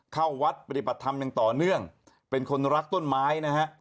เข้าวัดปฏิบัติธรรมอย่างต่อเนื่องเป็นคนรักต้นไม้นะฮะ